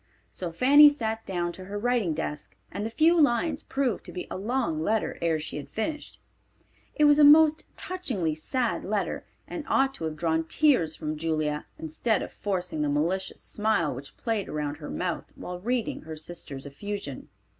So Fanny sat down to her writing desk, and the few lines proved to be a long letter ere she had finished. It was a most touchingly sad letter, and ought to have drawn tears from Julia, instead of forcing the malicious smile which played around her mouth while reading her sister's effusion.